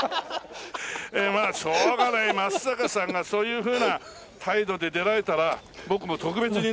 まあしょうがない松坂さんがそういうふうな態度で出られたら僕も特別にね。